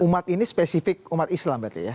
umat ini spesifik umat islam berarti ya